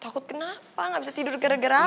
takut kenapa gak bisa tidur gara gara apa